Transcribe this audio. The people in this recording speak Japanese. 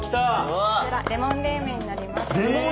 レモン冷麺になります。